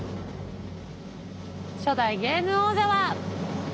初代ゲーム王者は。